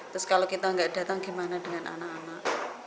terus kalau kita nggak datang gimana dengan anak anak